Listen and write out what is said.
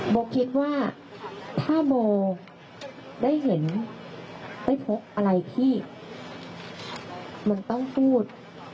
โบคิดว่าถ้าโบได้เห็นได้พบอะไรที่มันต้องพูด